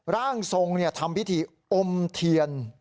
ร่างทรงทำพิธีอมเทียน